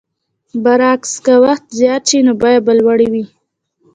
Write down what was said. برعکس که وخت زیات شي نو بیه به لوړه وي.